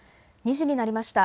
２時になりました。